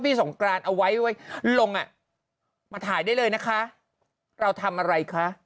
สงกรานเอาไว้ไว้ลงอ่ะมาถ่ายได้เลยนะคะเราทำอะไรคะ